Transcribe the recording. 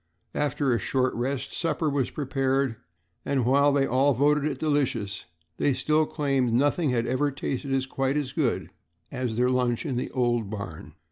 After a short rest, supper was prepared, and while they all voted it delicious, still they claimed that nothing had ever tasted quite as good as their lunch in the old barn.